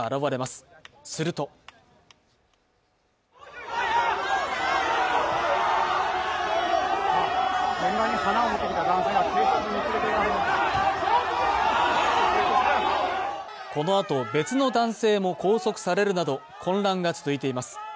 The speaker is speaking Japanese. するとこのあと、別の男性も拘束されるなど混乱が続いています。